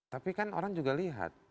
tapi kan orang juga lihat